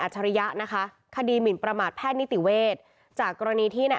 ฉริยะนะคะคดีหมินประมาทแพทย์นิติเวศจากกรณีที่ใน